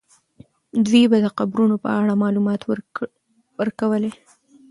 دوی به د قبرونو په اړه معلومات ورکولې.